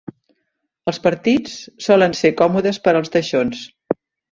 Els partits solen ser còmodes per als teixons.